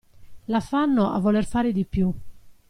L'affanno a voler fare di più.